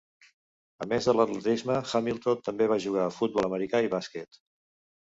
A més de l'atletisme Hamilton també va jugar a futbol americà i bàsquet.